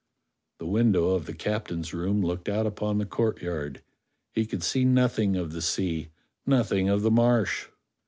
The window of the captain's room looked out upon the courtyard; he could see nothing of the sea, nothing of the Marsh.